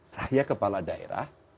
saya kepala daerah